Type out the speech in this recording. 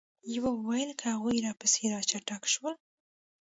يوه وويل: خو که هغوی راپسې را چټک شول؟